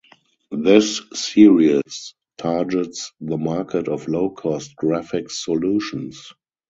This series targets the market of low-cost graphics solutions.